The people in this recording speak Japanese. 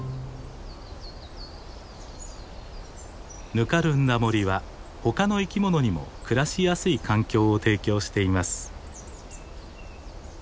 ぬかるんだ森は他の生き物にも暮らしやすい環境を提供しています。